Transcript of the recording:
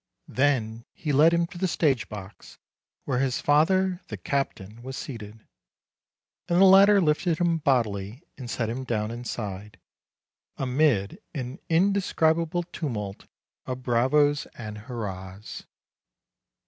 Then he led him to the stage box, where his father, the captain, was seated; and the latter lifted him bodily and set him down inside, amid an indescribable tumult of bravos and hurrahs.